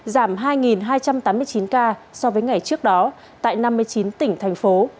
giảm hai hai trăm tám mươi chín ca so với ngày trước đó tại năm mươi chín tỉnh thành phố